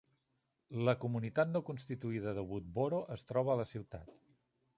L comunitat no constituïda de Woodboro es troba a la ciutat.